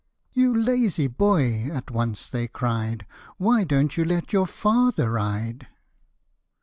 9 " You lazy boy !" at once they cried, Why don't you let your father ride